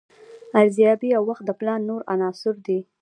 ارزیابي او وخت د پلان نور عناصر دي.